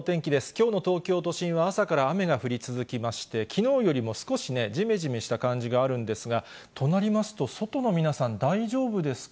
きょうの東京都心は朝から雨が降り続きまして、きのうよりも少しね、じめじめした感じがあるんですが、となりますと、外の皆さん、大丈夫ですか？